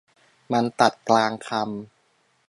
มันตัดกลางคำ